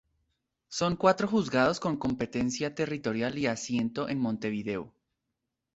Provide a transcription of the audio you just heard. Son cuatro juzgados con competencia territorial y asiento en Montevideo.